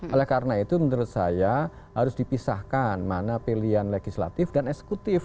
oleh karena itu menurut saya harus dipisahkan mana pilihan legislatif dan eksekutif